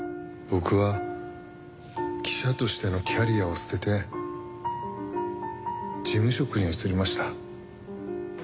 僕は記者としてのキャリアを捨てて事務職に移りました。